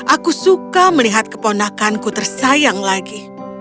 aku suka melihat keponakanku tersayang lagi